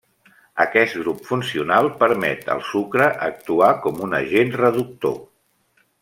Aquest grup funcional permet al sucre actuar com un agent reductor.